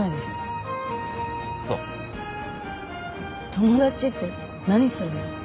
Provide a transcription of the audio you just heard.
友達って何するの？